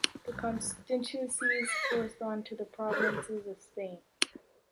The constituencies correspond to the provinces of Spain.